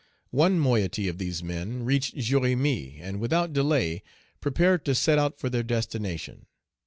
One moiety of these men reached Jérémie and without delay prepared to set out for their destination.